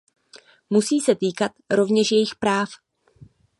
Musí se týkat rovněž jejich práv.